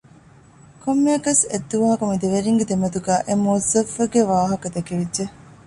ކޮންމެއަކަސް އެއްދުވަހަކު މި ދެ ވެރިންގެ ދެމެދުގައި އެ މުވައްޒަފުގެ ވާހަކަ ދެކެވިއްޖެ